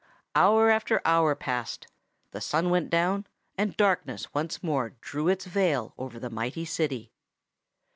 Hour after hour passed; the sun went down; and darkness once more drew its veil over the mighty city.